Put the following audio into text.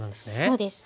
そうです。